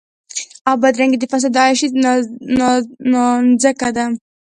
او بدرنګي د فساد د عياشۍ نانځکه ده.